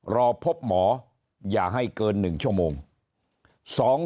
รอพบหมออย่าให้เกิน๑ชั่วโมง